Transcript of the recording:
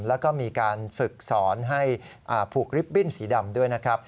แล้วก็มีการฝึกสอนให้ผูกริบบิ้นสีดำด้วยนะครับ